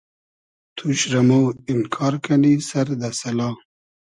توش رۂ مۉ اینکار کئنی سئر دۂ سئلا